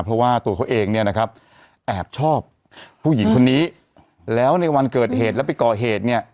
เพราะว่าตัวเขาเองเนี่ยนะครับแอบชอบผู้หญิงคนนี้แล้วในวันเกิดเหตุแล้วไปก่อเหตุเนี่ย